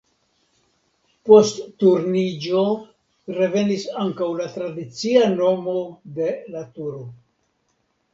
Post Turniĝo revenis ankaŭ la tradicia nomo de la turo.